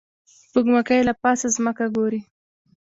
سپوږمکۍ له پاسه ځمکه ګوري